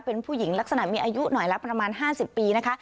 เป็นผู้หญิงลักษณะมีอายุหน่อยละประมาณ๕๐ปีนะคะ